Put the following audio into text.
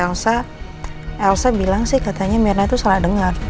elsa elsa bilang sih katanya mirna itu salah dengar